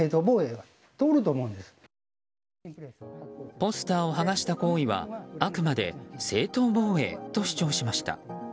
ポスターを剥がした行為はあくまで正当防衛と主張しました。